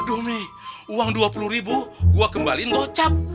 aduh mi uang dua puluh ribu gue kembaliin locap